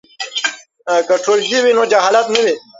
که ټولګی وي نو جهالت نه وي.